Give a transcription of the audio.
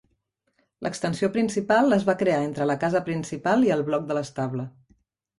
L'extensió principal es va crear entre la casa principal i el bloc de l'estable.